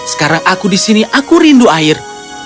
sekarang aku di sini aku rindu air